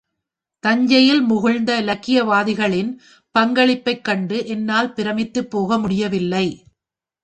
தஞ்சையில் முகிழ்த்த இலக்கியவாதிகளின் பங்களிப்பைக் கண்டு என்னால் பிரமித்துப்போக முடியவில்லை.